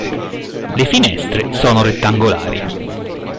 Le finestre sono rettangolari.